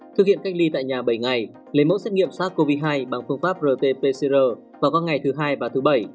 thực hiện cách ly tại nhà bảy ngày lấy mẫu xét nghiệm sars cov hai bằng phương pháp rt pcr vào các ngày thứ hai và thứ bảy